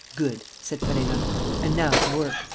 "Good!" said Perenna. "And now to work.